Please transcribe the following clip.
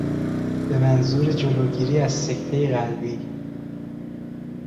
به منظور جلوگیری از سکتهی قلبی